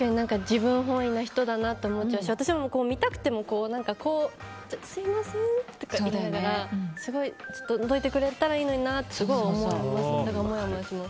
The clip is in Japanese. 自分本位な人だなと思っちゃうし私も見たくてもすみませんとか言いながらどいてくれたらいいのになってすごい思いますね。